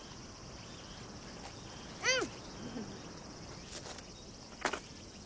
うん！